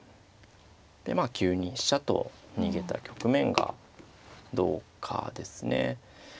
でまあ９二飛車と逃げた局面がどうかですね。